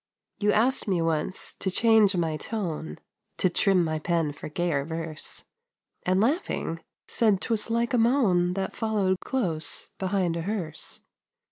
You asked me once to change my tone, "To trim my pen for gayer verse," And, laughing, said 'twas like a moan That followed close behind a hearse.